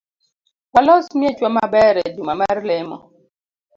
Walos miechwa maber ejuma mar lemo